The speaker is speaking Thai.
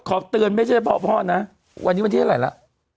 ขอเตือนไม่ใช่เพราะพ่อนะวันนี้บันทีอะไรละ